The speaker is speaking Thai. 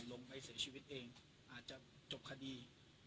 ลงไปเสียชีวิตเองอาจจะจบคดี